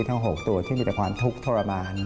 ทั้ง๖ตัวที่มีแต่ความทุกข์ทรมาน